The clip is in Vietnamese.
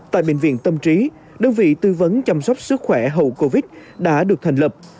tại bệnh viện tâm trí đơn vị tư vấn chăm sóc sức khỏe hậu covid đã được thành lập